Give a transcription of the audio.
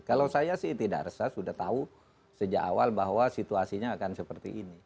kalau saya sih tidak resah sudah tahu sejak awal bahwa situasinya akan seperti ini